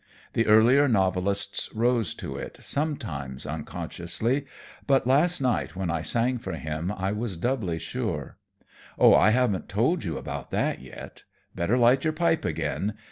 The earlier novelists rose to it, sometimes, unconsciously. But last night when I sang for him I was doubly sure. Oh, I haven't told you about that yet! Better light your pipe again.